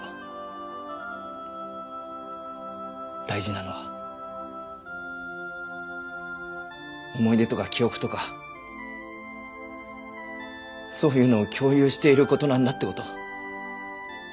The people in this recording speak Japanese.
大事なのは思い出とか記憶とかそういうのを共有している事なんだって事。